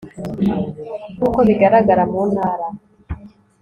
nk uko bigaragara mu ntara